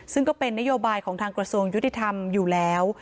ซึ่งก็เป็นนโยบายของทางกระทรวงยุติธรรมอยู่แล้ว